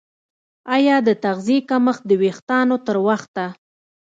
ایا د تغذیې کمښت د ویښتانو تر وخته